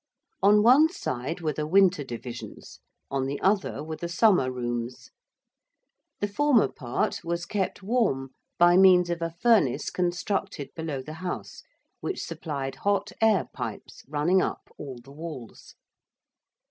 On one side were the winter divisions, on the other were the summer rooms. The former part was kept warm by means of a furnace constructed below the house, which supplied hot air pipes running up all the walls.